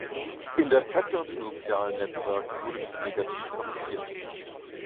In der Presse und in sozialen Netzwerken wurde dies negativ kommentiert.